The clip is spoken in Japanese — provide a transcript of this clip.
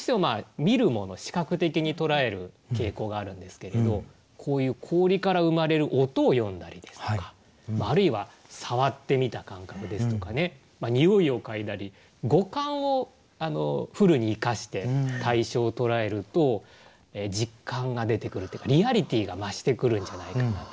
視覚的に捉える傾向があるんですけれどこういう氷から生まれる音を詠んだりですとかあるいは触ってみた感覚ですとかねにおいを嗅いだり五感をフルに生かして対象を捉えると実感が出てくるというかリアリティーが増してくるんじゃないかなと思うんですね。